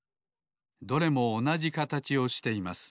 どれもおなじかたちをしています。